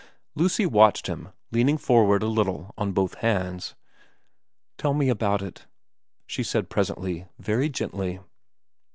Lucy watched him, leaning forward a little on both hands. * Tell me about it,' she said presently, very gently.